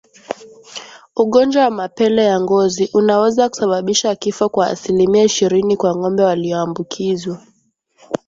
Ugonjwa wa mapele ya ngozi unaweza kusababisha kifo kwa asilimia ishirini kwa ngombe walioambukizwa